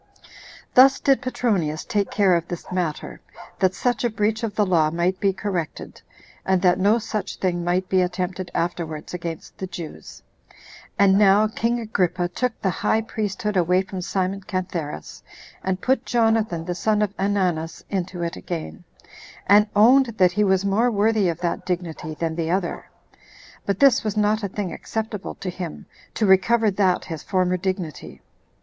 4. Thus did Petronius take care of this matter, that such a breach of the law might be corrected, and that no such thing might be attempted afterwards against the Jews. And now king Agrippa took the [high] priesthood away from Simon Cantheras, and put Jonathan, the son of Ananus, into it again, and owned that he was more worthy of that dignity than the other. But this was not a thing acceptable to him, to recover that his former dignity.